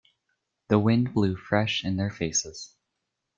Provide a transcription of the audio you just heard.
The wind blew fresh in their faces.